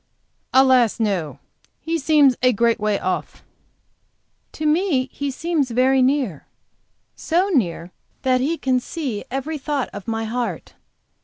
"Alas, no. He seems a great way off." "To me He seems very near. So near that He can see every thought of my heart.